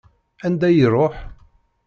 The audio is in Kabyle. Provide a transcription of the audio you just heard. Anda i iṛuḥ?